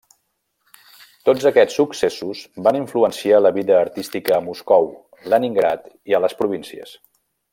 Tots aquests successos van influenciar la vida artística a Moscou, Leningrad i a les províncies.